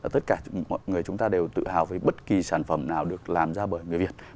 tất cả mọi người chúng ta đều tự hào về bất kỳ sản phẩm nào được làm ra bởi người việt